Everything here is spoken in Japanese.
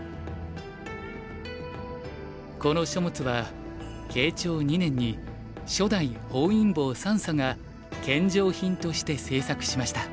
この書物は慶長２年に初代本因坊算砂が献上品として制作しました。